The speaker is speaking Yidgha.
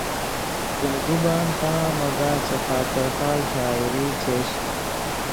دیم زبان تا مگاہ چے خاطر خواہ شاعری چش